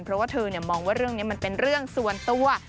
เพราะว่าเธอมองว่าเรื่องนี้มันเป็นเรื่องส่วนตัว